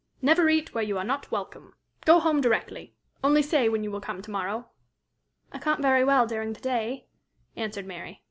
Never eat where you are not welcome. Go home directly. Only say when you will come to morrow." "I can't very well during the day," answered Mary.